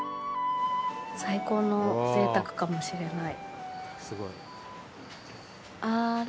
最高のぜいたくかもしれない。